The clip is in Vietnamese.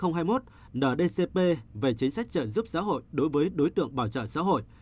neodcp về chính sách trợ giúp xã hội đối với đối tượng bảo trợ xã hội